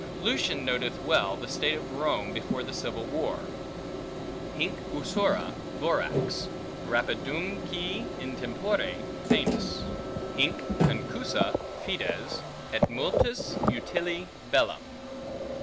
Lucan noteth well the state of Rome before the Civil War, Hinc usura vorax, rapidumque in tempore foenus, Hinc concussa fides, et multis utile bellum.